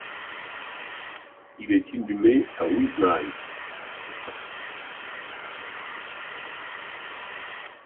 Il est inhumé à Wisznice.